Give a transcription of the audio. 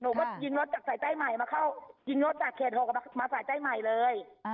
หนูก็ยิงรถจากสายใต้ใหม่มาเข้ายิงรถจากเขต๖มาสายใต้ใหม่เลย